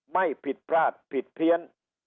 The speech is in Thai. ไม่ผิดพลาดผิดเพี้ยน